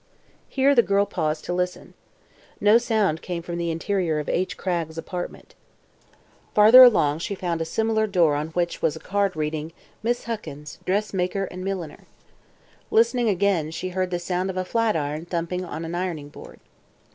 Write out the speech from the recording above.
Here the girl paused to listen. No sound came from the interior of H. Cragg's apartment. Farther along she found a similar door on which was a card reading: "Miss Huckins, Dressmaker and Milliner." Listening again, she heard the sound of a flatiron thumping an ironing board.